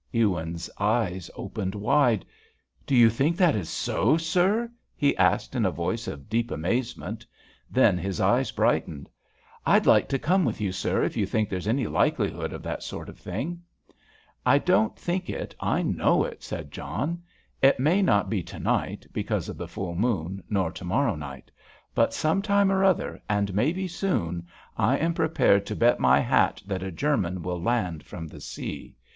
Ewins's eyes opened wide. "Do you think that is so, sir?" he asked in a voice of deep amazement. Then his eyes brightened. "I'd like to come with you, sir, if you think there's any likelihood of that sort of thing." "I don't only think it, I know it," said John. "It may not be to night, because of the full moon, nor to morrow night. But some time or other, and maybe soon, I am prepared to bet my hat that a German will land from the sea.